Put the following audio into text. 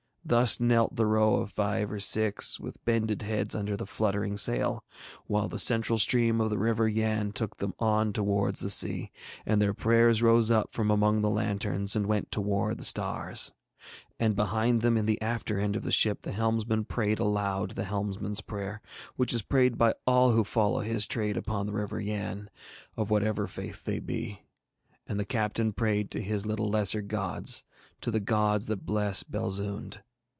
Thus knelt the row of five or six with bended heads under the fluttering sail, while the central stream of the River Yann took them on towards the sea, and their prayers rose up from among the lanterns and went towards the stars. And behind them in the after end of the ship the helmsman prayed aloud the helmsman's prayer, which is prayed by all who follow his trade upon the River Yann, of whatever faith they be. And the captain prayed to his little lesser gods, to the gods that bless Belzoond.